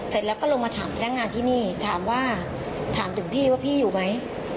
เสร็จแล้วก็ลงมาถามพนักงานที่นี่ถามว่าถามถึงพี่ว่าพี่อยู่ไหม